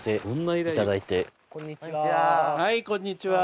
はいこんにちは。